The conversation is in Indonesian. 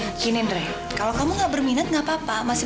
begini andre kalau kamu gak berminat gak apa apa